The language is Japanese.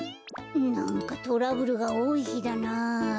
なんかトラブルがおおいひだな。